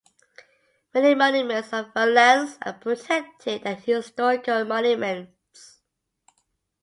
Many monuments of Valence are protected as historical monuments.